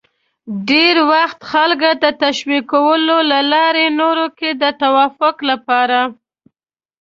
ډېری وخت خلک د تشویقولو له لارې نورو کې د توافق لپاره